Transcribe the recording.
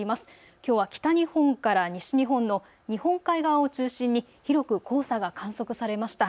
きょうは北日本から西日本の日本海側を中心に広く黄砂が観測されました。